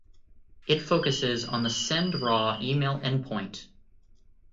It focuses on the Send Raw Email endpoint.